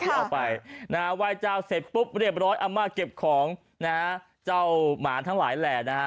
ไหว้เจ้าเสร็จปุ๊บเรียบร้อยอาม่าเก็บของเจ้าหมาทั้งหลายแหล่